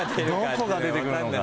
どこが出てくるのか。